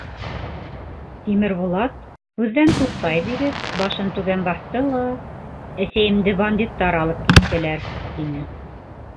— Тимербулат, һүҙҙән туҡтай биреп, башын түбән баҫты ла: — Әсәйемде бандиттар алып киттеләр, — тине.